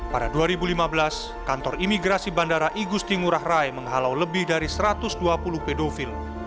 pada dua ribu lima belas kantor imigrasi bandara igusti ngurah rai menghalau lebih dari satu ratus dua puluh pedofil